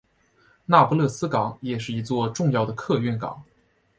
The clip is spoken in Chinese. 那不勒斯港也是一座重要的客运港。